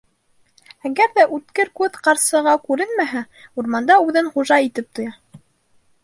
Әгәр ҙә Үткер күҙ Ҡарсыга күренмәһә, урманда үҙен хужа итеп тоя.